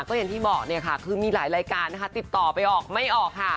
ก็อย่างที่บอกเนี่ยค่ะคือมีหลายรายการนะคะติดต่อไปออกไม่ออกค่ะ